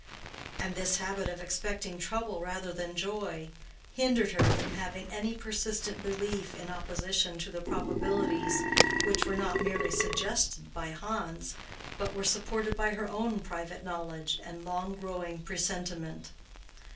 And this habit of expecting trouble rather than joy, hindered her from having any persistent belief in opposition to the probabilities which were not merely suggested by Hans, but were supported by her own private knowledge and long growing presentiment.